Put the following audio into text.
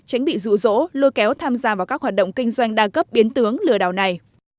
tránh bị rụ rỗ lôi kéo tham gia vào các hoạt động kinh doanh đa cấp biến tướng lừa đảo này